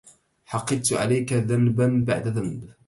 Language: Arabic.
حقدت عليك ذنبا بعد ذنب